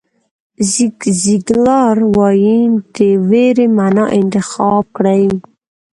زیګ زیګلار وایي د وېرې معنا انتخاب کړئ.